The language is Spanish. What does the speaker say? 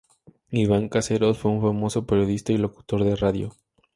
Iván Caseros fue un famoso periodista y locutor de radio.